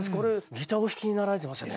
ギターお弾きになられてましたね。